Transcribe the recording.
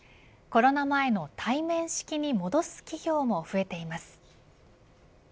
コロナ前の対面式に戻す企業も増えています。